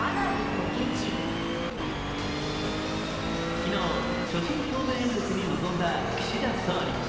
昨日、所信表明演説に臨んだ岸田総理。